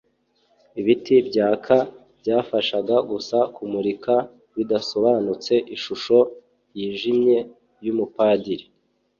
ibiti byaka byafashaga gusa kumurika bidasobanutse ishusho yijimye yumupadiri